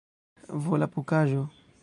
volapukaĵo